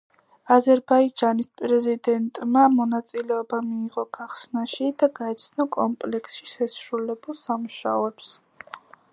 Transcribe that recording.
აზერბაიჯანის პრეზიდენტმა მონაწილეობა მიიღო გახსნაში და გაეცნო კომპლექსში შესრულებულ სამუშაოებს.